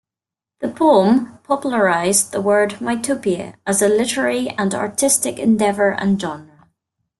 The poem popularized the word "mythopoeia" as a literary and artistic endeavor and genre.